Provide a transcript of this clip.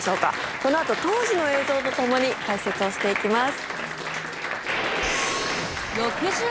このあと当時の映像とともに解説をしていきます。